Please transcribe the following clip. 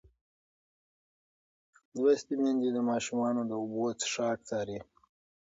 لوستې میندې د ماشومانو د اوبو څښاک څاري.